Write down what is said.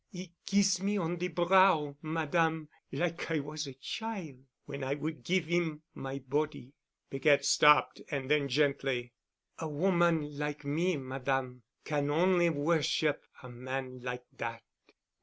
'E kees me on de brow, Madame, like I was a chil', when I would give 'im my body." Piquette stopped, and then, gently, "A woman like me, Madame, can on'y worship a man like dat."